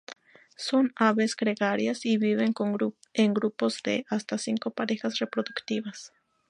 Son aves gregarias y viven en grupos de hasta cinco parejas reproductivas.